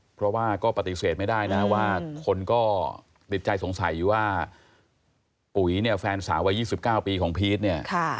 เพราะว่าก็ปฏิเสธไม่ได้นะว่าคนก็ติดใจสงสัยอยู่ว่าปุ๋ยเนี่ยแฟนสาววัย๒๙ปีของพีชเนี่ย